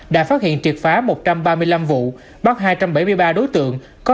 đã phát hiện triệt phá một trăm ba mươi năm vụ bắt hai trăm bảy mươi ba đối tượng